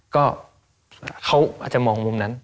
ก็เขาอาจจะมองมุมนั้น